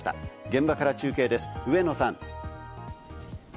現場から中継です、上野さん。